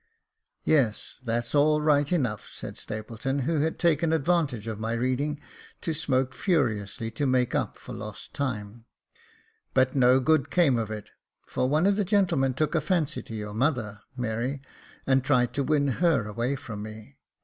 " Yes, that's all right enough," said Stapleton, who had taken advantage of my reading to smoke furiously to make up for lost time; "but no good came of it, for one of the gemmen took a fancy to your mother, Mary, and tried to win her away from me.